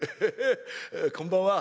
こんばんは。